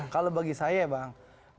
kalau bagi saya bang